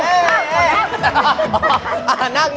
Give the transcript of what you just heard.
สวัสดีคร้าว